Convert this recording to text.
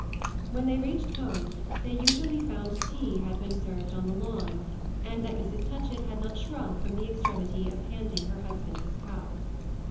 When they reached home they usually found tea had been served on the lawn and that Mrs. Touchett had not shrunk from the extremity of handing her husband his cup.